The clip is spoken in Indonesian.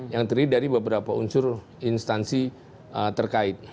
yang terdiri dari beberapa unsur instansi terkait